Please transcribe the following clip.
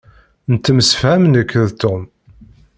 Nettemsefham nekk d Tom.